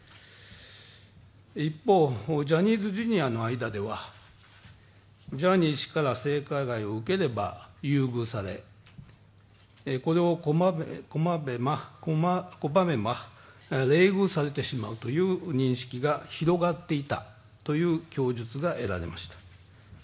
一方、ジャニーズＪｒ．の間では、ジャニー氏から性加害を受ければ優遇されこれを拒めば、冷遇されてしまうという認識が広がっていたという供述が得られました。